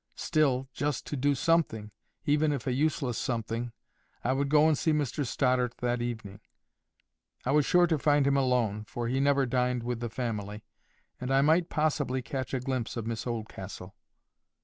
Still, just to do something, even if a useless something, I would go and see Mr Stoddart that evening. I was sure to find him alone, for he never dined with the family, and I might possibly catch a glimpse of Miss Oldcastle.